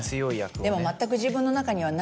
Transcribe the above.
でも全く。